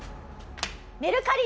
メルカリ？